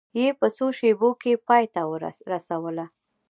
یې په څو شېبو کې پای ته رسوله.